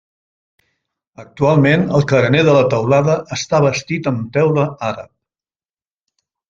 Actualment, el carener de la teulada està bastit amb teula àrab.